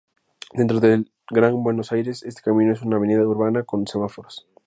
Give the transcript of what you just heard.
Dentro del Gran Buenos Aires, este camino es una avenida urbana con semáforos.